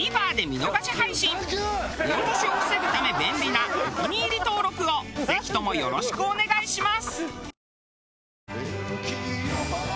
見落としを防ぐため便利なお気に入り登録をぜひともよろしくお願いします。